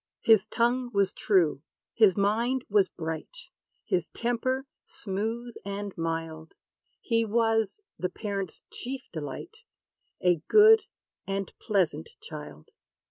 His tongue was true, his mind was bright; His temper smooth and mild: He was the parent's chief delight A good and pleasant child.